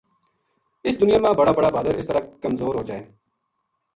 اس دُنیا ما بڑا بڑا بہادر اس طرح کمزور ہو جائے